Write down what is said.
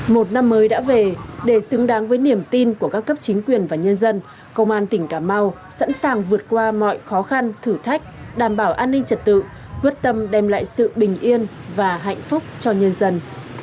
một năm mới đã về để xứng đáng với niềm tin của các cấp chính quyền và nhân dân công an tỉnh cà mau sẵn sàng vượt qua mọi khó khăn thử thách đảm bảo an ninh trật tự quyết tâm đem lại sự bình yên và hạnh phúc cho nhân dân